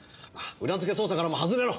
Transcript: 裏付け捜査からも外れろ。